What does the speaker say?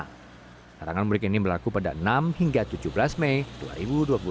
larangan mudik ini berlaku pada enam hingga tujuh belas mei dua ribu dua puluh